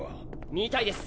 みたいです。